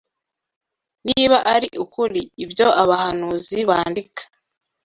Niba ari ukuri, ibyo Abahanuzi bandika